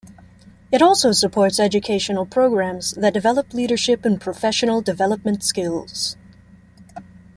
It also supports educational programs that develop leadership and professional development skills.